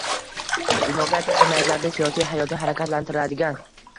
Demokratik jamiyatlarda siyosiy hayotni harakatlantiradigan